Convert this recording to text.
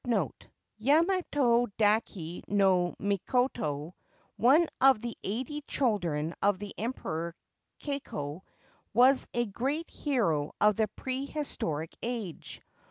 C. (I should 1 Yamato dake no Mikoto, one of the eighty children of the Emperor Keiko, was a great hero of the prehistoric age.